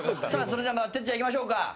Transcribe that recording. さあそれではてっちゃんいきましょうか。